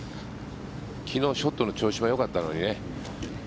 昨日ショットの調子はよかったのにね。